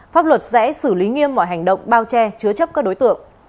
pháp luật sẽ xử lý nghiêm mọi hành động bao che chứa chấp các đối tượng